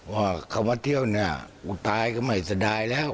ว่าเขามาเที่ยวเนี่ยกูตายก็ไม่สบายแล้ว